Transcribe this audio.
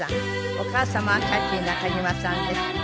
お母様はキャシー中島さんです。